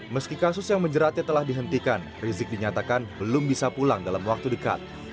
meski kasus yang menjeratnya telah dihentikan rizik dinyatakan belum bisa pulang dalam waktu dekat